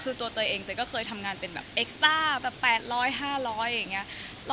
คือตัวเตยเองเตยก็เคยทำงานเป็นแบบเอ็กซ่าแบบ๘๐๐๕๐๐อย่างนี้